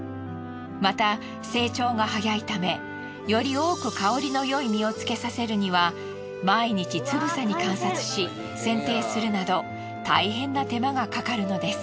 また成長が早いためより多く香りのよい実をつけさせるには毎日つぶさに観察し剪定するなどたいへんな手間がかかるのです。